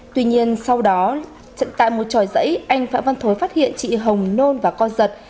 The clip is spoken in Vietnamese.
tuy nhiên sau đó trận tại một tròi giấy anh phạm văn thối phát hiện chị hồng nôn và con giật